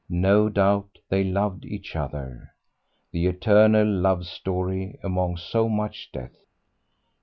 No doubt they loved each other. The eternal love story among so much death!